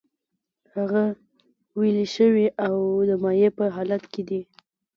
هغه ویلې شوی او د مایع په حالت کې دی.